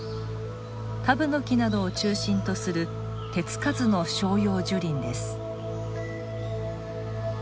タブノキなどを中心とする手付かずの照葉樹林です。